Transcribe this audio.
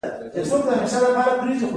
انجینر باید خپله غلطي په ښکاره ومني.